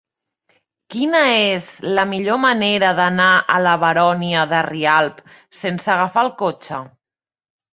Quina és la millor manera d'anar a la Baronia de Rialb sense agafar el cotxe?